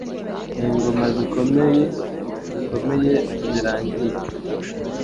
N'ingoma zikomeye zikomeye zirangira.